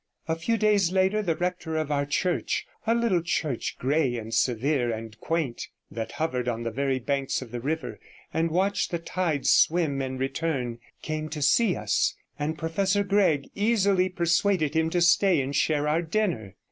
A few days later the rector of our church — a little church, grey and severe and quaint, that hovered on the very banks of the river and watched the tides swim and return — came to see us, and Professor Gregg easily persuaded him to stay 63 and share our dinner.